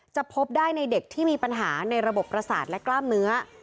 พบได้ในเด็กที่มีปัญหาในระบบประสาทและกล้ามเนื้อ